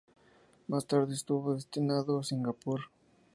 Más tarde estuvo destinado en Singapur.